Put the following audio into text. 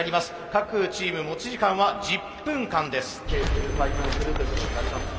各チーム持ち時間は１０分間です。